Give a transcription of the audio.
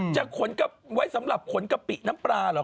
ไว้สำหรับขนกะปิน้ำปลาเหรอ